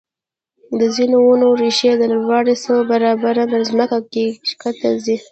د ځینو ونو ریښې د لوړوالي څو برابره په ځمکه کې ښکته ځي.